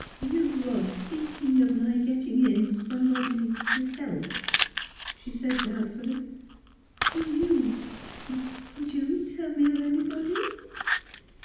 ' You was speaking of my getting in somebody to to help," she said doubtfully. " Do you could you tell me of anybody?